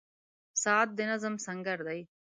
• ساعت د نظم سنګر دی.